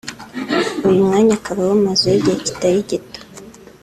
uyu mwanya akaba awumazeho igihe kitari gito